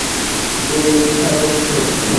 তুমি মিথ্যে বলেছ।